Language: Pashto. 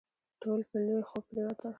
ټول په لوی خوب پرېوتل.